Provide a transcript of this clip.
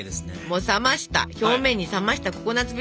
もう冷ました表面に冷ましたココナツフィリング。